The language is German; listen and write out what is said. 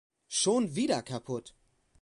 Schon wieder kaputt!